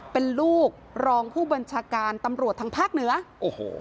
เป็นลูกรองผู้บัญชาการตำรวจทางภาคเหนือโอ้โห